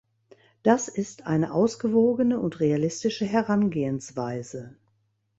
Das ist eine ausgewogene und realistische Herangehensweise.